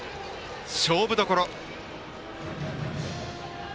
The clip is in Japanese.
勝負どころです。